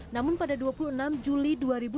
namun pada dua puluh enam juli dua ribu dua puluh